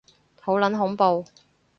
好撚恐怖